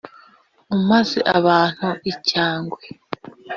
umaze abantu icyangwe.